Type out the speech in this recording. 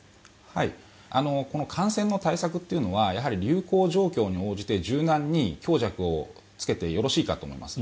感染の対策というのは流行状況に応じて柔軟に強弱をつけてよろしいかと思います。